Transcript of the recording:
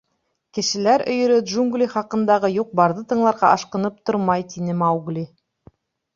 — Кешеләр өйөрө джунгли хаҡындағы юҡ-барҙы тыңларға ашҡынып тормай, — тине Маугли.